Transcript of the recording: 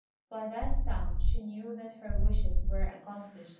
By that sound she knew that her wishes were accomplished.